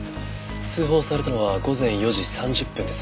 通報されたのは午前４時３０分です。